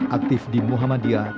aktif di muhammadiyah